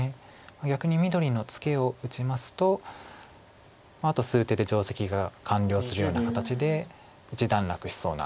逆に緑のツケを打ちますとあと数手で定石が完了するような形で一段落しそうな。